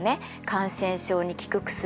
感染症に効く薬